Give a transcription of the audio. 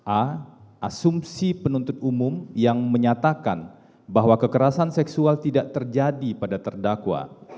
a asumsi penuntut umum yang menyatakan bahwa kekerasan seksual tidak terjadi pada terdakwa